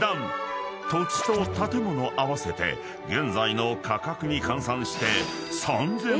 ［土地と建物合わせて現在の価格に換算して］